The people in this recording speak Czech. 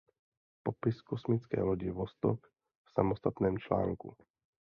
Popis kosmické lodi Vostok v samostatném článku...